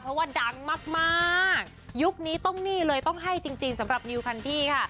เพราะว่าดังมากมากยุคนี้ต้องนี่เลยต้องให้จริงสำหรับนิวคันดี้ค่ะ